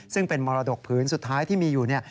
ซึ่งเป็นมรดกพื้นสุดท้ายที่มีอยู่เนี่ย